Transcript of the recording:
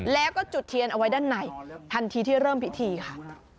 แล้วก็จุดเทียนเอาไว้ด้านในทันทีที่เริ่มพิธีค่ะ